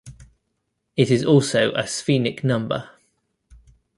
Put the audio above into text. It is also a sphenic number.